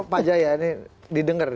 pak jaya ini didengar